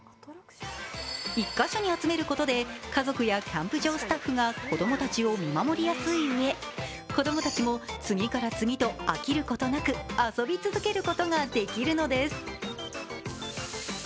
１か所に集めることで家族やキャンプ場スタッフが子供たちを見守りやすいうえ、子供たちも次から次と飽きることなく遊び続けることができるのです